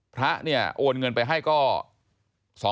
พระเนี่ยโอนเงินไปให้ก็